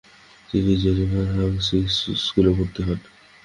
তিনি জেনেভার হাক্সিস স্কুলে ভর্তি হন।